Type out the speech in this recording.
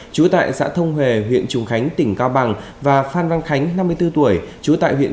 trú tại xã thông huê huyện trùng khánh tỉnh cao bằng và phan văn khánh năm mươi bốn tuổi chú tại huyện